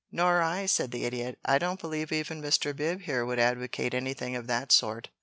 "Nor I," said the Idiot. "I don't believe even Mr. Bib here would advocate anything of the sort.